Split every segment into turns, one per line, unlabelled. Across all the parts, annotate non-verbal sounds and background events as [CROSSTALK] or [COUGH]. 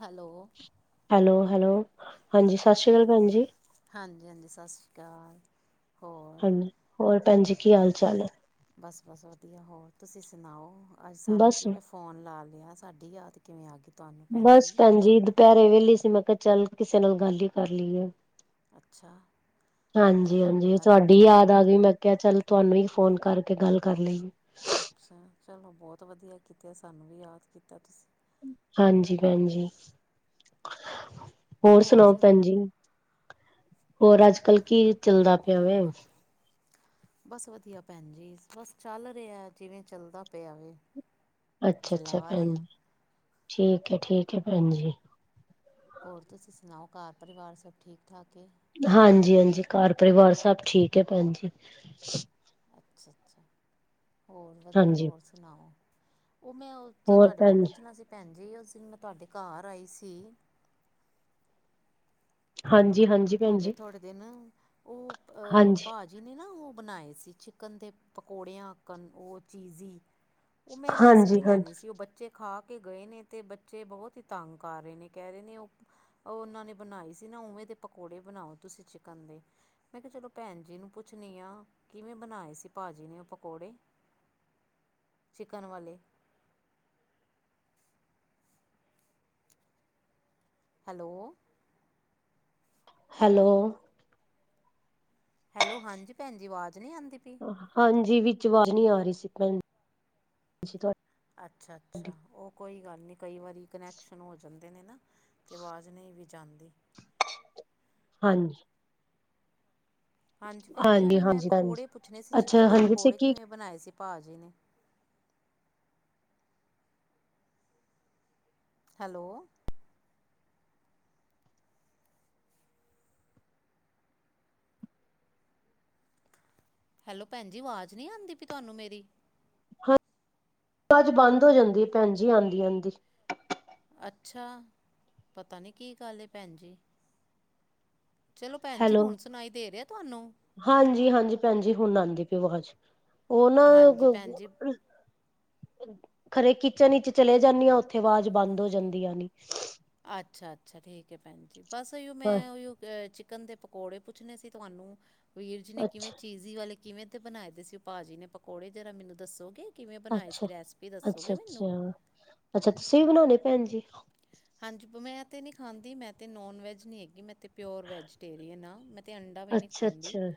Hello
hello hello, ਹਾਂਜੀ ਸਤਿ ਸ਼੍ਰੀ ਅਕਾਲ ਭੈਣ ਜੀ
ਹਾਂਜੀ ਹਾਂਜੀ ਸਤਿ ਸ਼੍ਰੀ ਅਕਾਲ, ਹੋ-
ਹਾਂਜੀ, ਹੋਰ ਭੈਣ ਜੀ ਕੀ ਹਾਲ ਚਾਲ ਹੈ
ਬਸ ਬਸ ਵਧੀਆ ਹੋਰ ਤੁਸੀਂ ਸੁਣਾਓ ਅੱਜ
ਹੈ
ਸਾਨੂੰ
ਬਸ
ਕਿਵੇਂ ਫ਼ੋਨ ਲਾ ਲ ਅੱਜ ਸਾਡੀ ਯਾਦ ਕਿਵੇਂ ਆ ਗਈ ਤੁਹਾਨੂੰ ਭੈਣ ਜੀ
ਬਸ ਭੈਣਜੀ ਦੁਪਹਿਰੇ ਵੇਲੀ ਸੀ, ਮੈਂ ਕਿਹਾ ਚੱਲ ਕਿਸੇ ਨਾਲ ਗੱਲ ਹੀ ਕਰ ਲਈ ਹੈ।
ਅੱਛਾ
ਹਾਂਜੀ
ਚਲੋ
ਹਾਂਜੀ
ਇਹ ਤਾਂ
ਤੁਹਾਡੀ
ਬਹੁਤ
ਯਾਦ ਆ ਗਈ, ਮੈਂ ਕਿਹਾ ਚੱਲ ਤੁਹਾਨੂੰ ਹੀ ਫੋਨ ਕਰਕੇ ਗੱਲ ਕਰ ਲਈਏ
ਅੱਛਾ ਚਲੋ ਬਹੁਤ ਵਧੀਆ ਕੀਤਾ ਸਾਨੂੰ ਵੀ ਯਾਦ ਕੀਤਾ ਤੁਸੀਂ
ਹਾਂਜੀ ਭੈਣ ਜੀ ਹੋਰ ਸੁਣਾਓ ਭੈਣ ਜੀ ਹੋਰ ਅੱਜ ਕੱਲ੍ਹ ਕੀ ਚੱਲਦਾ ਪਿਆ ਵੇ
ਬਸ ਵਧੀਆ ਭੈਣ ਜੀ ਬਸ ਚੱਲ ਰਿਹਾ ਜਿਵੇਂ ਚੱਲਦਾ ਪਿਆ
ਅੱਛਾ ਅੱਛਾ
ਚਲਾ ਰਹੇ
ਭੈਣ ਜ
ਹਾਂ
ਠੀਕ ਹੈ ਠੀਕ ਹੈ ਭੈਣ ਜੀ
ਹੋਰ ਤੁਸੀਂ ਸੁਣਾਓ ਘਰ ਪਰਿਵਾਰ ਸਭ ਠੀਕ ਠਾਕ
ਹਾਂਜੀ ਹਾਂਜੀ ਘਰ ਪਰਿਵਾਰ ਸਭ ਠੀਕ ਹੈ ਭੈਣ ਜੀ
ਅੱਛਾ ਅੱਛਾ ਹੋਰ ਵਧ
ਹਾਂਜੀ
ਹੋਰ ਸੁਣਾਓ ਉਹ ਮੈਂ
ਹੋਰ
ਤੁਹਾਡੇ ਕੋਲ
ਭੈਣ ਜੀ
ਪੁੱਛਣਾ ਸੀ ਭੈਣ ਜੀ ਅ ਮੈਂ ਤੁਹਾਡੇ ਘਰ ਆਈ ਸੀ
ਹਾਂਜੀ ਹਾਂਜੀ ਭੈਣ
ਹੋ ਗਏ
ਜੀ
ਥੋੜੇ ਦਿਨ ਉਹ ਅਹ
ਹਾਂਜੀ
ਭਾ ਜੀ ਨੇ ਨਾ ਉਹ ਬਣਾਏ ਸੀ ਚਿਕਨ ਦੇ ਪਕੌੜਿਆਂਕਣ ਉਹ ਚੀਜ਼ ਉਹ ਮੈਂ ਰੈਸਿਪੀ
ਹਾਂਜੀ ਹਾਂਜੀ
ਲੈਣੀ ਸੀ ਉਹ ਬੱਚੇ ਖਾ ਕੇ ਕੇ ਗਏ ਨੇ ਤੇ ਬੱਚੇ ਬਹੁਤ ਹੀ ਤੰਗ ਕਰ ਰਹੇ ਨੇ ਕਹਿ ਰਹੇ ਨੇ ਉਹ ਉਹਨਾਂ ਨੇ ਬਣਾਈ ਸੀ ਨਾ ਉਵੇਂ ਦੇ ਪਕੌੜੇ ਬਣਾਓ ਤੁਸੀਂ ਚਿਕਨ ਦੇ ਮੈਂ ਕਿਹਾ ਚਲੋ ਭੈਣ ਜੀ ਨੂੰ ਪੁੱਛਣੀ ਆ ਕਿਵੇਂ ਬਣਾਏ ਸੀ ਭਾਜੀ ਨੇ ਉਹ ਪਕੌੜੇ
ਹ [INAUDIBLE]
ਚਿਕਨ ਵਾਲੇ ਹੈਲੋ
ਹੈਲੋ
ਹੈਲੋ ਹਾਂਜੀ ਭੈਣਜੀ ਆਵਾਜ਼ ਨਹੀਂ ਆਉਂਦੀ ਪਈ
ਹਾਂਜੀ। ਵਿੱਚ ਵਾਜ਼ ਨੀ ਆ ਰਹੀ ਸੀ। ਭੈ ਤੁ
ਅੱਛਾ-ਅੱਛਾ। ਉਹ ਕੋਈ ਗੱਲ ਨਹੀ। ਕਈ ਵਾਰੀ ਕਨੈਕਸ਼ਨ ਹੋ ਜਾਂਦੇ। ਆਦੇ ਨੇ ਨਾ ਤੇ ਆਵਾਜ਼ ਨਹੀਂ ਵਿਚ ਆਂਦੀ।
ਹਾਂਜੀ।
ਹਾਂਜੀ, ਭੈਣ ਜੀ ਉਹੀ ਮੈਂ
ਹਾਂਜੀ ਹਾਂਜੀ
ਪਕੌੜੇ ਪੁੱਛਣੇ ਸੀ।
ਅੱਛਾ
ਚਿਕਨ ਦੇ
ਹਾਂਜੀ ਤੁਸੀਂ
ਪਕੌੜੇ
ਕੀ
ਕਿਵੇਂ ਬਣਾਏ ਸੀ। ਪਾ ਜੀ ਨੇ। ਹੈਲੋ! ਹੈਲੋ, ਭੈਣ ਜੀ। ਆਵਾਜ਼ ਨਹੀਂ ਆਂਦੀ ਪਈ, ਤਵਾਨੂੰ ਮੇਰੀ।
ਵਾਜ ਬੰਦ ਹੋ ਜਾਂਦੀ ਹੈ। ਭੈਣ ਜੀ ਆਉਂਦੀ ਆਂਦੀ।
ਅੱਛਾ! ਪਤਾ ਨੀ ਕੀ ਗੱਲ ਹੈ? ਭੈਣ ਜੀ। ਚਲੋ ਭੈਣ ਜੀ
ਹੈਲੋ!
ਹੁਣ ਸੁਣਾਈ ਦੇ ਰਿਹਾ ਤੁਹਾਨੂੰ
ਹਾਂਜੀ-ਹਾਂਜੀ ਭੈਣ ਜੀ। ਹੁਣ ਆਂਦੀ ਪਈ ਆਵਾਜ਼। ਉਹ ਨਾ
ਹਾਂਜੀ ਭੈਣ ਜੀ
[UNINTELLIGIBLE] ਖਰੇ ਕਿਚਨ ਵਿਚ ਚਲੇ ਜਾਂਣੀ ਹਾਂ। ਉੱਥੇ ਆਵਾਜ਼ ਬੰਦ ਹੋ ਜਾਂਦੀ ਐ।
ਅੱਛਾ-ਅੱਛਾ ਠੀਕ ਆ ਭੈਣ ਜੀ। ਬਸ
ਹਾਂ
ਮੈਂ [UNINTELLIGIBLE] ਚਿਕਨ ਦੇ ਪਕੌੜੇ ਪੁੱਛਣੇ ਸੀ ਤੁਹਾਨੂੰ, ਵੀਰ ਜੀ ਨੇ ਕਿਵੇਂ
ਅੱਛਾ
ਚੀਜ਼ੀ ਵਾਲੇ ਕਿਵੇਂ ਦੇ ਬਣਾਏ ਦੇ ਸੀ, ਭਾਜੀ ਨੇ ਪਕੌੜੇ ਜਰਾ ਮੈਨੂੰ ਦੱਸੋਗੇ? ਕਿਵੇਂ ਬਣਾਏ
ਅੱਛਾ,
ਸੀ ਰੈਸਪੀ ਦੱਸੋਗੇ ਮੈਨੂੰ
ਅੱਛਾ-ਅੱਛਾ। ਅੱਛਾ, ਤੁਸੀਂ ਵੀ ਬਣਾਉਣੇ ਭੈਣ ਜੀ।
ਹਾਂਜੀ। ਮੈਂ ਤੇ ਨੀ ਖਾਂਦੀ ਮੈਂ ਤੇ ਨੋਨ ਵੈਜ ਨੀ ਹੈਗੀ, ਮੈਂ ਤੇ ਪਿਓਰ ਵੈਜੀਟੇਰੀਅਨ ਆਂ। ਮੈਂ ਤਾਂ ਅੰਡਾ ਵੀ ਨਹੀਂ
ਅੱਛਾ
ਖਾਂਦੀ।
ਅੱਛਾ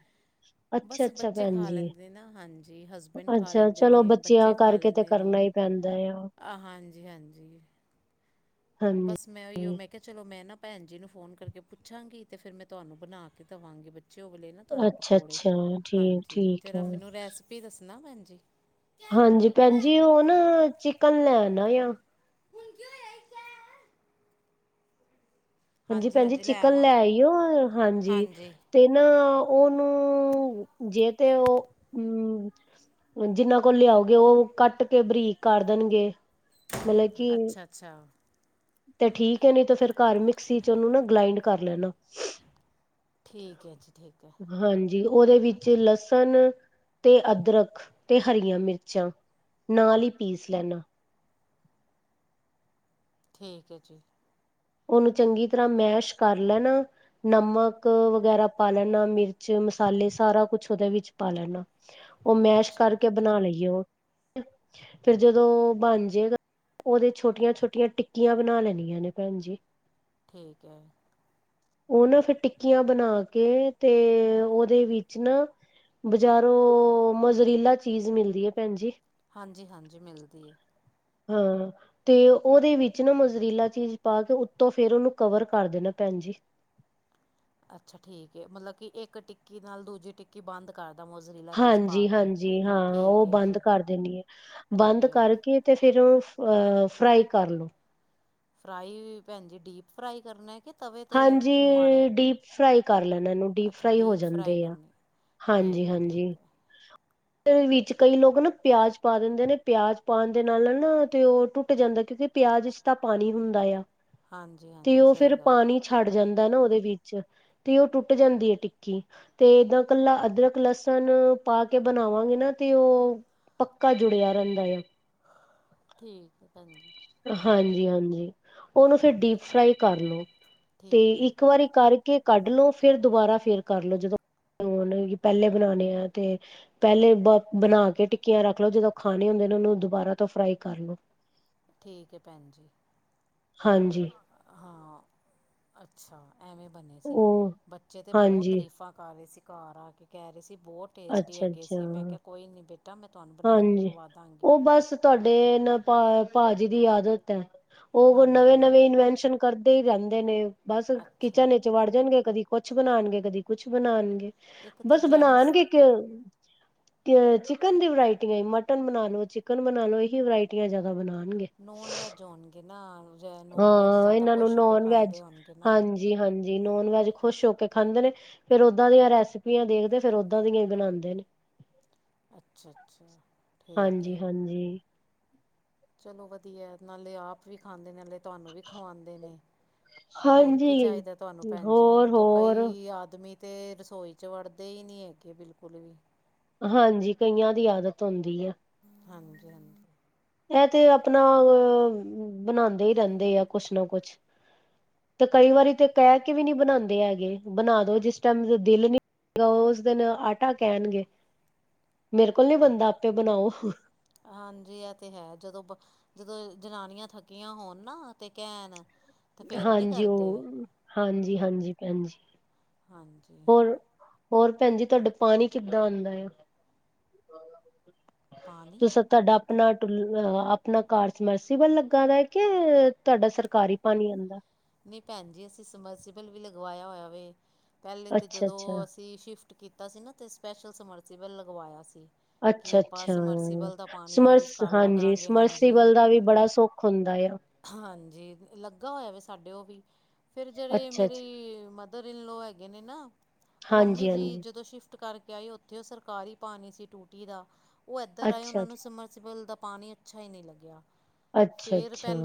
ਅੱਛਾ
ਬਸ
ਅੱਛਾ
ਬੱਚੇ
ਭੈਣ
ਖਾ
ਜੀ
ਲੈਂਦੇ ਨਾ ਹਾਂਜੀ, ਹਸਬੈਂਡ ਖਾ
ਅੱਛਾ
ਲੈਂਦੇ
ਚਲੋ
ਨੇ,
ਬੱਚਿਆਂ
ਬੱਚੇ ਖਾ
ਕਰਕੇ ਤੇ
ਲੈਂਦੇ
ਕਰਨਾ
ਨੇ।
ਹੀ ਪੈਂਦਾ ਆ
ਅਹ, ਹਾਂਜੀ- ਹਾਂਜੀ। ਬਸ, ਮੈਂ
ਹਾਂਜੀ
ਉਹੀਓ। ਮੈਂ ਕਿਹਾ ਚਲੋ ਮੈਂ ਨਾ ਭੈਣ ਜੀ ਨੂੰ ਫੋਨ ਕਰਕੇ ਪੁੱਛਾਂਗੀ ਤੇ ਫੇਰ ਮੈਂ ਤੁਹਾਨੂੰ ਬਣਾ ਕੇ ਦੇਵਾਂਗੀ। ਬੱਚ ਚੁਗਲੇ ਨਾ ਤੁਹਾਨੂੰ ਪਕੌੜੇ
ਅੱਛਾ-ਅੱਛਾ
ਹਾਂਜੀ।
ਠੀਕ-ਠੀਕ
ਜਰਾ
ਐ।
ਮੈਨੂੰ ਰੈਸਪੀ ਦੱਸਣਾ ਭੈਣ ਜੀ।
ਹਾਂਜੀ। ਭੈਣਜੀ ਉਹ ਨਾ ਚਿਕਨ ਲੈਣ ਆ।
ਹੁਣ ਕੀ ਹੋਇ ਕੈ [UNINTELLIGIBLE]
ਹਾਂਜੀ, ਭੈਣਜੀ ਚਿਕਨ ਲੈ ਆਈਓ ਹਾਂਜੀ। ਤੇ ਨਾ, ਉਹਨੂੰ ਜੇ ਤੇ ਉਹ ਹਮ ਜਿੰਨਾਂ ਕੋਲ ਲਿਆਓਗੇ। ਉਹ ਕੱਟ ਕੇ ਬਰੀਕ ਕਰ ਦੇਣਗੇ। ਮਤਲਬ ਕਿ
ਅੱਛਾ-ਅੱਛਾ।
ਤੇ ਠੀਕ ਹੈ, ਨੀ ਤੇ ਫੇਰ ਘਰ ਮਿਕਸੀ ਚ ਉਹਨੂੰ ਨਾ ਗਲਾਈੰਡ ਕਰ ਲੈਣਾ।
ਠੀਕ ਹੈ।, ਜੀ ਠੀਕ ਹੈ।
ਜੀ। ਉਹਦੇ ਵਿੱਚ ਲਸਣ ਤੇ ਅਦਰਕ ਤੇ ਹਰੀਆਂ ਮਿਰਚਾਂ। ਨਾਲ ਹੀ ਪੀਸ ਲੈਣਾ।
ਠੀਕ ਹੈ ਜੀ।
ਉਹਨੂੰ ਚੰਗੀ ਤਰ੍ਹਾਂ ਮੈਸ਼ ਕਰ ਲੈਣਾ। ਨਮਕ ਵਗੈਰਾ ਪਾ ਲੈਣਾ ਮਿਰਚ, ਮਸਾਲੇ ਸਾਰਾ ਕੁੱਛ ਉਹਦੇ ਵਿੱਚ ਪਾ ਲੈਣਾ। ਉਹ ਮੈਸ਼
ਅੱਛਾ
ਕਰਕੇ ਬਣਾ ਲਈਓ। ਉਹ ਫਿਰ ਜਦੋਂ ਬਣ ਜੇ ਗਾ। ਉਹਦੇ ਛੋਟੀਆਂ- ਛੋਟੀਆਂ ਟਿੱਕੀਆਂ ਬਣਾ ਲੈਣੀਆਂ ਨੇ ਭੈਣ ਜੀ।
ਠੀਕ ਹੈ।
ਉਹ ਨਾ ਫਿਰ ਟਿੱਕੀਆਂ ਬਣਾ ਕੇ, ਤੇ ਉਹਦੇ ਵਿੱਚ ਨਾ ਬਜ਼ਾਰੋਂ ਮੋਜਰੀਲਾ ਚੀਜ਼ ਮਿਲਦੀ ਹੈ। ਭੈਣ ਜੀ।
ਹਾਂਜੀ-ਹਾਂਜੀ ਮਿਲਦੀ ਹੈ।
ਹਾਂ, ਤੇ ਉਹਦੇ ਵਿੱਚ ਨਾ ਮੋਜਰੀਲਾ ਚੀਜ਼ ਪਾ ਕੇ ਉੱਤੋ ਫੇਰ ਉਹਨੂੰ ਕਵਰ ਕਰ ਦੇਣਾ ਪ ਹਾਂਜੀ।
ਅੱਛਾ ਠੀਕ ਏ। ਮਤਲਬ ਕਿ ਇੱਕ ਟਿੱਕੀ ਨਾਲ ਦੂਜੀ ਟਿੱਕੀ ਬੰਦ ਕਰ
ਹਾਂਜੀ-ਹਾਂਜੀ। ਹਾਂ, ਉਹ
ਠੀਕ ਹੈ
ਬੰਦ
ਜੀ
ਕਰ ਦੇਣੀ ਹੈ। ਬੰਦ
ਠੀਕ ਹੈ
ਕਰਕੇ ਤੇ ਫਿਰ ਉਹ ਅ ਫਰਾਈ ਕਰ ਲੋ।
ਫਰਾਈ, ਭੈਣਜੀ ਡੀਪ ਫਰਾਈ ਕਰਨਾ, ਕਿ ਤਵੇ 'ਤੇ
ਹਾਂਜੀ।
ਮਾੜਾ
ਡੀਪ ਫ੍ਰਈ ਕਰ ਲੈਣ, ਇਹਨੂੰ ਡੀਪ
ਅੱਛਾ
ਫ੍ਰਈ ਹੋ ਜਾਂਦੇ
ਫਰਾਈ
ਆ।
ਕਰਨੀ
ਹਾਂਜੀ
ਠੀਕ ਹੈ
ਹਾਂਜੀ
ਠੀਕ ਹੈ
ਵਿੱਚ ਕਈ ਲੋਕ ਨਾ ਪਿਆਜ ਪਾ ਦਿੰਦੇ ਨੇ ਪਿਆਜ ਪਾਉਣ ਦੇ ਨਾਲ ਨਾਲ ਨਾ ਤੇ ਉਹ ਟੁੱਟ ਜਾਂਦੇ ਕਿਉਂਕਿ ਪਿਆਜ ਚ ਤਾਂ ਪਾਣੀ ਹੁੰਦਾ ਆ
ਹਾਂਜੀ
ਤੇ
ਹਾਂਜੀ
ਉਹ
ਸਹੀ
ਫੇਰ
ਗੱਲ
ਪਾਣੀ ਛੱਡ ਜਾਂਦਾ ਨਾ ਉਹਦੇ ਵਿੱਚ ਤੇ ਉਹ ਟੁੱਟ ਜਾਂਦੀ ਹੈ ਟਿੱਕੀ ਤੇ ਏਦਾਂ ਕੱਲਾ ਅਦਰਕ ਲਸਣ ਪਾ ਕੇ ਬਣਾਵਾਂਗੇ ਨਾ ਤੇ ਉਹ ਪੱਕਾ ਜੁੜਿਆ ਰਹਿੰਦਾ ਆ
ਠੀਕ ਹੈ ਭੈਣ ਜੀ
ਹਾਂਜੀ ਹਾਂਜੀ ਉਹਨੂੰ ਫਿਰ ਡੀਪ ਫਰਾਈ ਕਰ ਲਓ ਤੇ
ਠੀਕ ਹੈ
ਇੱਕ ਵਾਰੀ ਕਰਕੇ ਕੱਢ ਲੋ ਫੇਰ ਦੁਬਾਰਾ ਫੇਰ ਕਰਲੋ ਜਦੋਂ ਹੁਣ ਪਹਿਲੇ ਬਣਾਉਣੇ ਆ ਤੇ ਪਹਿਲੇ ਬ ਬਣਾ ਕੇ ਟਿੱਕੀਆਂ ਰੱਖ ਲਓ ਜਦੋਂ ਖਾਣੇ ਹੁੰਦੇ ਨੇ ਦੁਬਾਰਾ ਤੋਂ ਫਰਾਈ ਕਰ ਲੋ
ਠੀਕ ਹੈ ਭੈਣ ਜੀ
ਹਾਂਜੀ
ਹਾਂ ਅੱਛਾ ਐਵੇਂ ਬਣੇ ਸੀ
ਉਹ
ਬੱਚੇ ਤਾਂ ਬਹੁਤ
ਹਾਂਜੀ
ਤਾਰੀਫਾਂ ਕਰ ਰਹੇ ਸੀ ਘ ਆ ਕੇ ਕਹਿ ਰਹੇ ਸੀ ਬਹੁਤ ਟੇਸਟੀ ਹੈਗੇ
ਅੱਛਾ-ਅੱਛਾ
ਸੀ ਮੈਂ ਕਿਹਾ ਕੋਈ ਨਹੀਂ ਮੈਂ ਤੁਹਾਨੂੰ ਬਣਾ ਕੇ
ਹਾਂਜੀ
ਖਵਾ ਦਾਂਗੀ
ਉਹ ਬਸ ਤੁਹਾਡੇ ਨਾ ਭ ਭਾਜੀ ਦੀ ਆਦਤ ਹੈ ਉਹ ਨਵੇਂ
ਹਾਂਜੀ
ਨਵੇਂ ਇਨਵੈਸ਼ਨ ਕਰਦੇ ਹੀ ਰਹਿੰਦੇ ਨੇ ਬਸ
ਅੱਛਾ
ਕਿਚਨ ਵਿਚ ਵੜ ਜਾਣਗੇ ਕਦੀ ਕੁਛ ਬਣਾਣਗੇ ਕਦੀ ਕੁਛ ਬਣਾਣਗੇ
ਇੱਕ ਤਾਂ
ਬਸ
ਜੈਂਟਸ
ਬਣਾਣਗੇ ਕਿ ਤੇ ਚਿਕਨ ਦੀ ਵਰਾਇਟੀਆਂ ਮਟਨ ਬਣਾ ਲੋ ਚਿਕਨ ਬਣਾ ਲੋ ਇਹੀ ਵਰਾਇਟੀਆਂ ਜਿਆਦਾ ਬਣਾ ਲ
ਨੋਨ ਵੈਜ ਹੋਣਗੇ ਨਾ ਨੋਨ ਵੈਜ
ਹਾਂ
ਜ਼ਿਆਦਾ
ਇਹਨਾਂ ਨੂੰ
ਖੁਸ਼ ਹੋ ਕੇ
ਨੋਨ ਵੈਜ
ਖਾਂਦੇ ਹੋਣਗੇ ਨਾ
ਹਾਂਜੀ ਹਾਂਜੀ ਨੋਨ ਵੈਜ ਖੁਸ਼ ਹੋ ਕੇ ਖਾਂਦੇ ਨੇ ਫੇਰ ਓਦਾਂ ਦੀ ਰੈਸਪੀਆਂ ਦੇਖਦੇ ਫੇਰ ਓਦਾਂ ਦੀਆਂ ਹੀ ਬਣਾਉਂਦੇ ਨੇ [UNINTELLIGIBLE]
ਅੱਛਾ ਅੱਛਾ ਠੀਕ ਹੈ
ਹਾਂਜੀ ਹਾਂਜੀ
ਚਲੋ ਵਧੀਆ ਨਾਲੇ ਆਪ ਵੀ ਖਾਂਦੇ ਨੇ ਨਾਲੇ ਤੁਹਾਨੂੰ ਵੀ ਖਵਾਉਦੇ ਨੇ ਹੋਰ ਕੀ
ਹਾਂਜੀ
ਚਾਹੀਦਾ ਤੁਹਾਨੂੰ ਭੈਣ ਜੀ
ਹੋਰ ਹੋਰ
ਕਈ ਆਦਮੀ ਤੇ ਰਸੋਈ ਚ ਵੜਦੇ ਹੀ ਨੀ ਹੈਗੇ ਬਿਲਕੁਲ ਵੀ
ਹਾਂਜੀ, ਕਈਆਂ ਦੀ ਆਦਤ ਹੋੰਦੀ ਐ।
ਹਾਂਜੀ, ਹਾਂਜੀ।
ਐ ਤੇ ਅ ਅਪਨਾ ਅ ਬਨਾਂਦੇ ਈ ਰੈਂਦੇ ਆ, ਕੋਛ ਨਾ ਕੋਛ ਤੇ ਕਈ ਵਾਰੀ ਤੇ ਕੈ ਕੇ ਵੀ ਨੀ ਬਨਾਂਦੇ ਹੈਗੇ, ਬਨਾ ਦੋ ਜੇਸਟੈਮ ਦੇਲ ਨੀ [UNINTELLIGIBLE] ਓਸ ਦੇਨ ਆਟਾ ਕੈਨਗੇ, ਮੇਰੇ ਕੋਲ ਨੀ ਬੰਦਾ ਆਪੇ ਬਨਾਓ
ਹਾਂਜੀ, ਐ ਤੇ ਹੈ ਜਦੋ ਬ ਜਦੋ ਜਨਾਨੀਆਂ ਥੱਕੀਆਂ ਹੋਨ ਨਾ ਤੇ ਕੈਨ
ਹਾਂਜੀ, ਓਹ ਹਾਂਜੀ, ਹਾਂਜੀ ਪੈਂਜੀ
ਹਾਂਜੀ
ਹੋਰ, ਹੋਰ ਪੈਂਨੀ ਜੀ ਤੁਆਡਾ ਪਾਨੀ ਕਿੱਦਾਂ ਆਂਦਾ ਯਾ।
ਪਾਣੀ
[UNINTELLIGIBLE] ਅਪਨਾ ਟੁਲ ਅਪਨਾ ਕਾਰ ਸਮਰਸੀਬਲ ਲੱਗਾ ਦਾ ਕਿ ਤੁਆਡਾ ਸਰਕਾਰੀ ਪਾਨੀ ਆਂਦਾ।
ਨੀ ਪੈਂਨ ਜੀ ਅਸੀ ਸਮਰਸੀਬਲ ਵੀ ਲਗਵਾਏਆ ਹੋਏਆ ਵੇ। ਪੈਲੇ ਤੇ
ਅੱਛਾ
ਜਦੋਂ
ਅੱਛਾ
ਅਸੀ ਸ਼ਿਫਟ ਕੀਤਾ ਸੀ ਨਾ ਤੇ ਸਪੈਸ਼ਲ ਸਮਰਸੀਬਲ ਲਗਵਾਏਆ ਸੀ। ਕਿ
ਅੱਛਾ
ਆਪਾ
ਅੱਛਾ
ਸਮਰਸੀਬਲ ਦਾ ਪਾਨੀ ਯੂਸ
ਸਮਰਸ
ਕਰ ਲਾ
ਹਾਂਜੀ
ਕਰਾਂਗੇ, ਹਾਂਜੀ।
ਸਮਰਸੀਬਲ ਦਾ ਵੀ ਬੜਾ ਸੁੱਖ ਹੁੰਦਾ ਆ
ਹਾਂਜੀ, ਲੱਗਾ ਹੋਏਆ ਵੇ ਸਾਡੇ ਓ ਵੀ ਫੇਰ ਜੈੜੇ
ਅੱਛਾ ਅੱਛਾ
ਮੇਰੀ ਮਦਰ ਇਨਲੋ ਹੈਗੇ ਨੇ ਨਾ ਓ ਮੰਮੀ
ਹਾਂਜੀ
ਜੀ
ਹਾਂਜੀ
ਜਦੋਂ ਸ਼ਿਫ ਸ਼ਿਫਟ ਕਰਕੇ ਆਈ ਓਥੇ ਓ ਸਰਕਾਰੀ ਪਾਨੀ ਸੀ ਟੂਟੀ ਦਾ, ਓ ਏਧਰ ਆਏ ਓ
ਅੱਛਾ
ਨੂੰ ਸਮਰਬਲ ਦਾ ਪਾਨੀ ਅੱਛਾ ਈ ਨੀ ਲੱਗੇਆ।
ਅੱਛਾ, ਅੱਛਾ।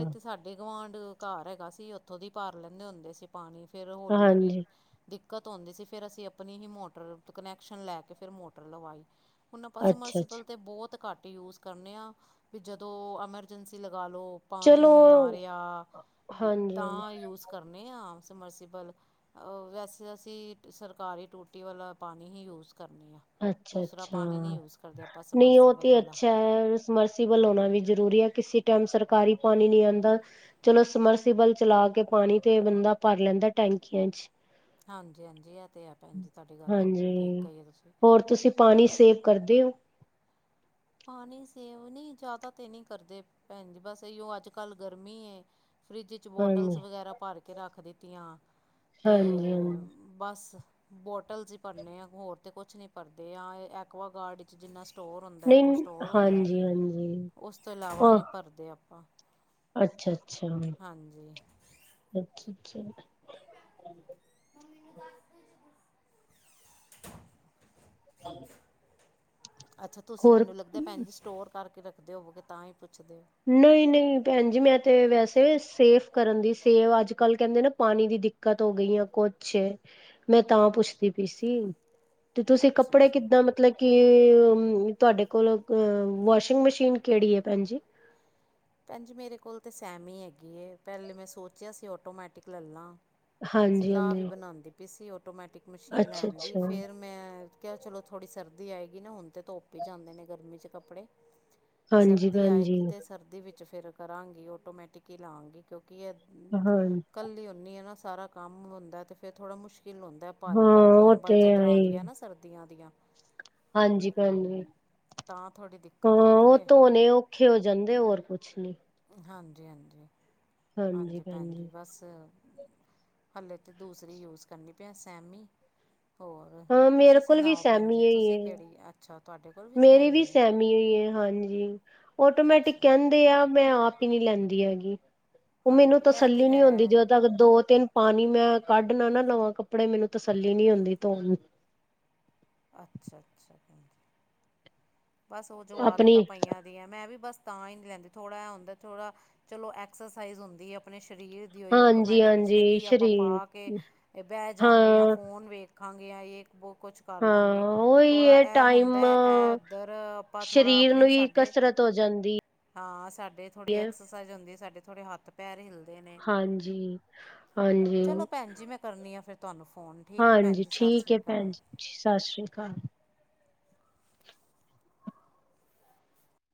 ਗੋਆਂਢ ਘਾਰ ਹੈਗਾ ਸੀ ਓਥੋਂ ਦੀ ਪਾਰ ਲੈਂਦੇ ਹੁੰਦੇ ਸੀ ਪਾਨੀ ਫੇਰ ਹੋਲੀ, ਹੋਲੀ
ਹਾਂਜੀ
ਦਿੱਕਤ ਹੋਂਦੀ ਸੀ ਫੇਰ ਅਸੀ ਆਪਨੀ ਹੀ ਮੋਟਰ ਕਨੈਕਸ਼ਨ ਲੈ ਕੇ ਫੇਰ ਮੋਟਰ ਲਵਾਈ। ਹੁਨ ਆਪਾਂ
ਅੱਛਾ
ਸਮਰਸੀਬਲ
ਅੱਛਾ
ਤੇ ਬੋਤ ਘੱਟ ਯੂਜ ਕਰਨੇ ਆਂ, ਵੀ ਜਦੋਂ ਐਮਰਜਂਸੀ [UNINTELLIGIBLE] ਪਾਣੀ
ਚਲੋ
ਨੀ ਆ ਰੇਆ ਤੇ
ਹਾਂਜੀ ਹਾਂਜੀ
ਤਾਂ ਯੂਸ ਕਰਨ [UNINTELLIGIBLE] ਸਮਰਸੀਬਲ ਅ ਵੈਸੇ ਅਸੀ ਸਰਕਾਰੀ ਟੂਟੀ ਵਾਲਾ ਪਾਨੀ ਹੀ ਯੂਜ ਕਰਨੇ ਆ
ਅੱਛਾ,
ਦੂਸਰਾ
ਅੱਛਾ
ਪਾਣੀ ਨਹੀਂ ਯੂਜ ਕਰਦੇ ਆਪਾਂ
ਨਈ ਓ
ਸਮਰਸੀਬਲ
ਤੇ
ਵਾਲਾ
ਅੱਛਾ ਹੈ ਸਮਰਸੀਬਲ ਹੋਨਾ ਵੀ ਜ਼ਰੂਰੀ ਐ। ਕਿਸੀ ਟੈਮ ਸਰਕਾਰੀ ਪਾਨੀ ਨੀ ਆਂਦਾ, ਚਲੋ ਸਮਰਸੀਬਲ ਚਲਾ ਕੇ ਪਾਨੀ ਤੇ ਬੰਦਾ ਭਰ ਲੈ ਦਾ ਟੈਂਕੀਆਂ ਚ।
ਹਾਂਜੀ, ਹਾਂਜੀ ਐ ਤੇ ਹੈ ਪੈਂਜੀ ਜੀ ਤੁਆਡੀ ਗੱਲ ਬਿਲਕੁਲ ਠੀਕ
ਹਾਂਜੀ
ਕਈ ਏ ਤੁਸੀ
ਹੋਰ ਤੁਸੀ ਪਾਨੀ ਸੇਵ ਕਰਦੇ ਓ?
ਪਾਨੀ ਸੇਵ ਨੀ ਜਾਦਾ ਤੇ ਨੀ ਕਰਦੇ ਪੈਂਨ ਜੀ ਬਸ ਐਯੋ ਅੱਜ-ਕੱਲ ਗਰਮੀ ਏ ਫਰਿੱਜ ਚ ਬੋਟਲਸ
ਹਾਂਜੀ
ਵਗੈਰਾ ਪਾਰ ਕੇ ਰਾਖ ਦਿੱਤੀਆਂ ਤੇ
ਹਾਂਜੀ ਹਾਂਜੀ
ਬਾਸ। ਬੋਟਲਸ ਹੀ ਭਰਨੇ ਆ ਹੋਰ ਤੇ ਕੋਛ ਨੀ ਭਰਦੇ ਆ ਐਕਵਾਗਾਡ ਚ ਜਿੰਨਾ ਸਟੋਰ ਹੁੰਦਾ
ਨਹੀਂ
ਸਟੋਰ ਹੁੰਦਾ
ਹਾਂਜੀ, ਹਾਂਜੀ ਆਹ
ਪਾਂ
ਅੱਛਾ ਅੱਛਾ, ਅੱਛਾ ਅੱਛਾ। [UNINTELLIGIBLE]
ਅੱਛਾ ਤੁਸੀ
ਹੋਰ
ਮੈਨੂੰ ਲੱਗਦਾ ਪੈਂਨ ਜੀ ਸਟੋਰ ਕਾਰਕੇ ਰੱਖਦੇ ਹੋਵੋਗੇ ਤਾਂ ਈ ਪੁੱਛ
ਨਈ, ਨਈ ਪੈਂਜ ਜੀ ਮੈਂ ਤੇ ਵੈਸੇ ਸੇਫ ਕਰਨ ਦੀ ਸੇਵ ਅੱਜ-ਕੱਲ ਕੈਂਦੇ ਨਾ ਪਾਨੀ ਦੀ ਦਿੱਕਤ ਹੋ ਗਈ ਆ ਕੋਛ ਏ ਮੈਂ ਤਾਂ ਪੁੱਛਦੀ ਪੀ ਸੀ। ਤੇ
ਹੋ
ਤੁਸੀ‌
ਅੱਛਾ
ਕੱਪੜੇ
ਅੱਛਾ
ਕਿੱਦਾਂ ਮਤਲਬ ਕੀ ਤੋਆਡੇ ਕੋਲ ਵਾਸ਼ਿੰਗ ਮਸ਼ੀਨ ਕੇੜੀ ਏ ਪੈਂਨ ਜੀ।
ਪੈਂਨ ਜੀ ਮੇਰੇ ਕੋਲ ਤਾਂ ਸੈਮੀ ਹੈਗੀ ਏ ਪੈਲੇ ਮੈਂ ਸੋਚਿਆ ਸੀ ਓਟੋਮੈਟਿਕ ਲੈਲਾਂ।
ਹਾਂਜੀ
ਸਲਾਅ ਵੀ
ਹਾਂਜੀ
ਬਨਾਦੀ ਪੀ ਸੀ ਓਟੋਮੈਟਿਕ ਮਸ਼ੀਨ
ਅੱਛਾ
ਲੈਨ ਦੀ,
ਅੱਛਾ
ਫੇਰ ਮੈਂ ਕਆ ਚਲੋ ਥੋੜੀ ਸਰਦੀ ਆਏਗੀ ਨਾ ਹੋਨ ਤੇ ਧੋਪ ਈ ਜਾਂਦੇ ਨੇ ਗਰਮੀ ਚ ਕੱਪੜੇ
ਹਾਂਜੀ
ਸਰਦੀ
ਭੈਣ ਜੀ
ਆਏਗੀ ਤੇ ਸਰਦੀ ਵਿੱਚ ਫਿਰ ਕਰਾਂਗੀ ਓਟੋਮੈਟਿਕ‌ ਈ ਲਾਂਗੀ ਕਉਂ
ਹਾਂ
[UNINTELLIGIBLE]
ਹਾਂ
ਕੱਲੀ ਹੁਨੀ ਨਾ ਸਾਰਾ ਕੰਮ ਹੁੰਦਾ ਤੇ ਫੇਰ ਥੋੜਾ ਮੁਸ਼ [UNINTELLIGIBLE] ਹੁੰਦਾ ਭਾਰੇ, ਭਾਰੇ
ਉਹ
ਕੰਬਲ
ਤੇ ਹੈ
ਚਦਰਾਂ
ਹੀ
ਹੋਂਦੀਆ
ਹੈ।
ਨਾ ਸਰਦੀ ਦੀਆਂ।
ਹਾਂਜੀ ਭੈਣ ਜੀ
ਤਾਂ ਥੋੜ੍ਹੀ
ਹਾਂ
ਦਿੱਕਤ ਹੁੰਦੀ
ਓ
ਹੈ
ਧੋਨੇ ਓਖੇ ਹੋ ਜਾਂਦੇ ਹੋਰ ਕੁਛ ਨੀ।
ਹਾਂਜੀ-ਹਾਂਜੀ- ਹਾਂਜੀ, ਭੈਣ ਜੀ ਬਸ। ਹਲੇੇ ਤੇ ਦੂਸਰੀ ਯੂਜ ਕਰਨੀ ਪਈ ਐ ਸੈਮੀ ਹੋਰ
ਹਾਂ ਮੇਰੇ
ਤੁਸੀਂ
ਕੋਲ ਵੀ
ਸੁਣਾਓ? ਭੈਣ ਜੀ
ਸਹਿਮੀ ਹੀ
ਤੁਸੀਂ
ਹੈ
ਕਿਹੜੀ ਅੱਛਾ। ਤੁਹਾਡੇ ਕੋਲ
ਮੇਰੀ ਵੀ
ਸੈਮੀ ਹੈ
ਸਹੇਮੀ ਹੋਈ ਹੈ, ਹਾਂਜੀ ਅਟੋਮੈਟਿਕ
ਅੱਛਾ
ਕਹਿੰਦੇ ਆ ਮੈਂ ਪਾਣੀ ਨਹੀਂ ਲੈਂਦੀ ਹੈਗੀ, ਉਹ ਮੈਨੂੰ
ਹਾਂਜੀ ਇਹ ਤਾਂ
ਤਸੱਲੀ ਨੀ ਹੁੰਦੀ
ਹੈ
ਜਦੋਂ ਤੱਕ ਦੋ ਤਿੰਨ ਪਾਣੀ ਮੈਂ ਕੱਢਣਾ ਨਾ ਲਵਾਂ ਕੱਪੜੇ ਮੈਨੂੰ ਤਸੱਲੀ ਨੀ ਹੁੰਦੀ ਧੋਣ ਦੀ
ਅੱਛਾ-ਅੱਛਾ ਬਸ ਉਹ ਜੋ
ਆਪਣੀ
ਆਦਤਾਂ ਪਈਆਂ ਦੀਆਂ ਮੈਂ ਵੀ ਬਸ ਤਾਂ ਨਹੀਂ ਲੈਂਦੀ ਥੌੜਾ ਐ ਹੁੰਦਾ ਥੌੜਾ ਚਲੋ ਐਕਸਰਸਾਈਜ਼ ਹੁੰਦੀ ਐ ਅਪਣੇ ਸ਼ਰੀਰ ਸਰੀਰ ਦੀ ਹੋਈ
ਹਾਂਜੀ
ਆਟੋਮੈਟਿਕ ਜ ਤੇ
ਹਾਂਜੀ
ਕੀ ਆਪਾਂ
ਸਰੀਰ
ਪਾ ਕੇ ਬਹਿ ਜਾਂਗੇ ਜਾਂ
ਹਾਂ
ਫੋਨ ਵੇਖ ਖਾਂਗੇ ਇੱਕ ਕੁਛ ਕਰ
ਹਾਂ
ਲਾਂਗੇ
ਉਹੀ
ਥੋੜ੍ਹਾ
ਹੈ
ਇਹ
ਟਾਈਮ
ਹੁੰਦਾ ਇਹ ਉੱਧਰ ਆਪਾਂ ਥੋੜਾ
ਸਰੀਰ ਨੂੰ
ਆਪਣੇ
ਹੀ
ਸਾਡੇ
ਕਸਰਤ ਹੋ ਜਾਂਦੀ।
ਹਾਂ ਸਾਡੇ ਥੋੜੀ
ਹੈ
ਐਕਸਰਸਾਈਜ਼ ਹੁੰਦੀ ਸਾਡੇ ਥੋੜੇ ਹੱਥ ਪੈਰ ਹਿਲਦੇ। ਨੇ
ਹਾਂਜੀ-ਹਾਂਜੀ।
ਚਲੋ ਭੈਣ ਜੀ ਮੈਂ ਕਰਨੀ ਆ ਫਿਰ ਤੁਹਾਨੂੰ ਫ਼ੋਨ ਠੀਕ ਹੈ ਭੈਣ
ਹਾਂਜੀ
ਜੀ ਸਤਿ
ਠੀਕ
ਸ਼੍ਰੀ
ਹੈ, ਭੈਣ
ਅਕਾਲ
ਜੀ ਸਤਿ ਸ੍ਰੀ ਅਕਾਲ।